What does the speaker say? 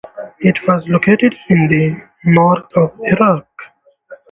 It was located in the north of Iraq.